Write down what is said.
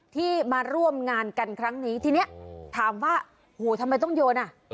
ที่มาร่วมงานกันครั้งนี้ทีนี้ถามว่าโหทำไมต้องโยนอ่ะ